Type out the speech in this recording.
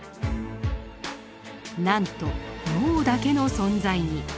なんと脳だけの存在に。